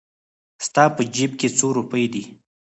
ستا په جېب کې څو روپۍ دي؟